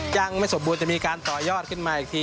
ยังไม่สมบูรณ์จะมีการต่อยอดขึ้นมาอีกที